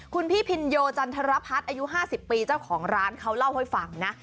คุณพี่พินโยจันทรพัฒน์อายุ๕๐ปีเจ้าของร้านเขาเล่าให้ฟังนะ